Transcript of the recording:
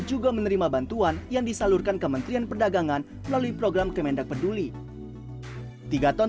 juga menerima bantuan yang disalurkan kementerian perdagangan melalui program kemendak peduli tiga ton